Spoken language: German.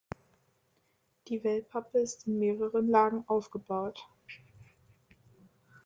Die Wellpappe ist in mehreren Lagen aufgebaut.